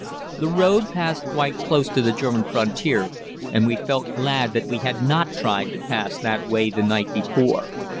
The road passed quite close to the German frontier, and we felt glad that we had not tried to pass that way the night before.